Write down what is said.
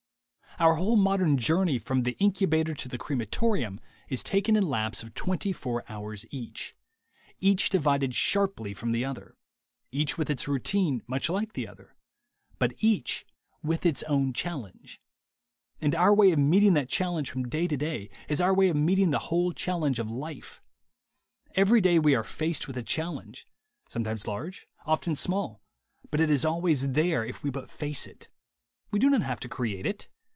Our whole 132 THE WAY TO WILL POWER modern journey from the incubator to the crema torium is taken in laps of twenty four hours each; each divided sharply from the other; each with its routine much like the other; but each with its own challenge. And our way of meeting that challenge from day to day is our way of meeting the whole challenge of life. Every day we are faced w r ith a challenge, sometimes large, often small, but it is always there if we but face it. We do not have to create it.